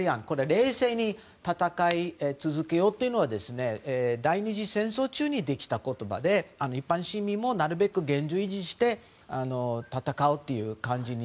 冷静に戦い続けようというのは第２次戦争中にできた言葉で一般市民もなるべく現状維持して戦うという感じに。